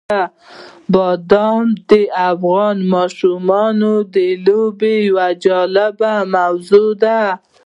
بادام د افغان ماشومانو د لوبو یوه جالبه موضوع ده.